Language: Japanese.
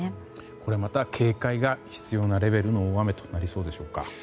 これはまた警戒が必要なレベルの大雨となりそうでしょうか。